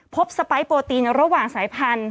สไปร์โปรตีนระหว่างสายพันธุ